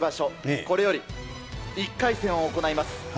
これより１回戦を行います。